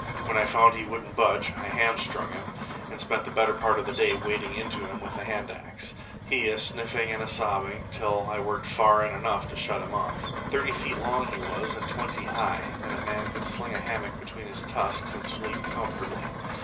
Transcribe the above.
When I found he wouldn't budge, I hamstrung him, and spent the better part of the day wading into him with the hand axe, he a sniffing and sobbing till I worked in far enough to shut him off. Thirty feet long he was, and twenty high, and a man could sling a hammock between his tusks and sleep comfortably.